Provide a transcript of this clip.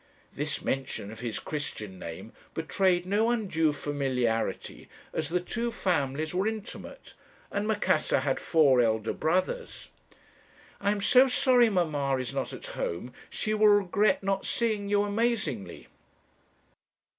This mention of his Christian name betrayed no undue familiarity, as the two families were intimate, and Macassar had four elder brothers. 'I am so sorry mamma is not at home; she will regret not seeing you amazingly.'